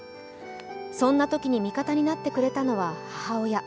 そんなときに味方になってくれたのは母親。